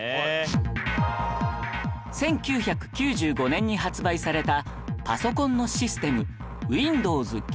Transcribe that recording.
１９９５年に発売されたパソコンのシステム Ｗｉｎｄｏｗｓ９５